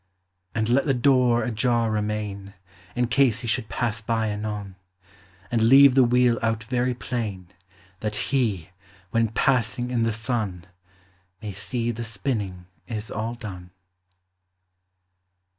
And let the door ajar remain, In case he should pass by anon; And leave the wheel out very plain, That HE, when passing in the sun, May see the spinning is all done.